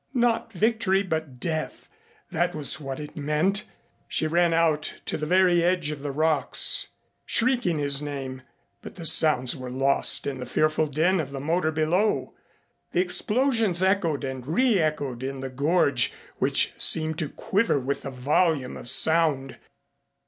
Not victory, but death that was what it meant. She ran out to the very edge of the rocks, shrieking his name, but the sounds were lost in the fearful din of the motor below. The explosions echoed and reëchoed in the gorge which seemed to quiver with the volume of sound.